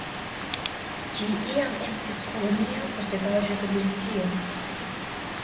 Ĝi iam estis kolonia posedaĵo de Britio.